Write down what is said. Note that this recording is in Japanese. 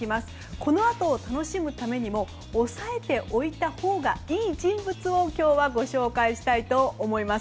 このあと楽しむためにも押さえておいたほうがいい人物を今日はご紹介したいと思います。